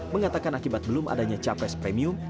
mengatakan akibat belum adanya capres premium